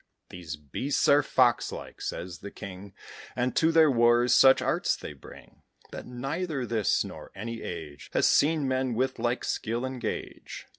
"These beasts are fox like," says the king, And to their wars such arts they bring, That neither this nor any age Has seen men with like skill engage.